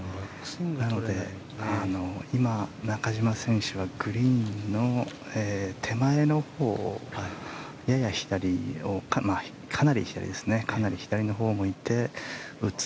なので今、中島選手はグリーンの手前のほうかなり左のほうを向いて打つ。